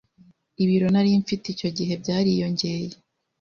ibiro nari mfite icyo gihe byariyongereye